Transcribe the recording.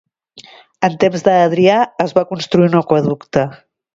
En temps d'Adrià es va construir un aqüeducte.